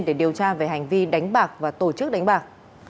để điều tra về hành vi đánh bạc và tổ chức đánh bạc